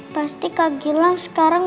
pasti kak gilang sekarang